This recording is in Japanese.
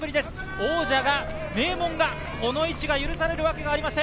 王者が、名門が、この位置が許されるわけがありません。